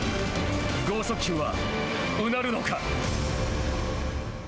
剛速球は、うなるのか。